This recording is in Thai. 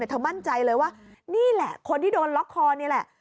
เธอมั่นใจเลยว่านี่แหละคนที่โดนล็อกคอนี่แหละ